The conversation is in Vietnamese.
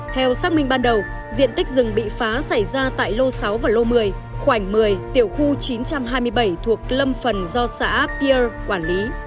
theo xác minh ban đầu diện tích rừng bị phá xảy ra tại lô sáu và lô một mươi khoảng một mươi tiểu khu chín trăm hai mươi bảy thuộc lâm phần do xã pierre quản lý